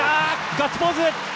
ガッツポーズ！